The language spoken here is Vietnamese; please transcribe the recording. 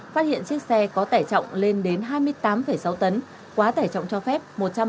phát hiện chiếc xe có tải trọng lên đến hai mươi tám sáu tấn quá tải trọng cho phép một trăm ba mươi sáu